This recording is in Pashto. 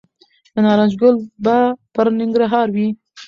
د نارنج ګل به پرننګرهار وي